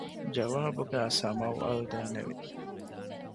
ޖަވާބުގައި ސަމަވްއަލް ދެންނެވި